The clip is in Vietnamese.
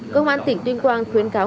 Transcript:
cơ quan tỉnh tuyên quang khuyên cáo